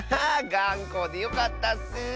がんこでよかったッス。